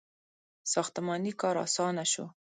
• ساختماني کار آسانه شو.